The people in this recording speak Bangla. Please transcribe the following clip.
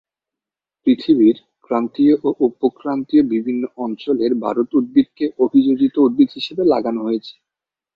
পৃথিবীর ক্রান্তীয় ও উপক্রান্তীয় বিভিন্ন অঞ্চলে বারুদ উদ্ভিদকে অভিযোজিত উদ্ভিদ হিসেবে লাগানো হয়েছে।